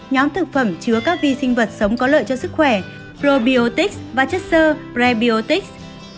nhóm thực phẩm chứa các vi sinh vật sống có lợi cho sức khỏe probiotics và chất sơ brebiotics